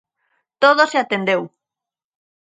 Todo se atendeu.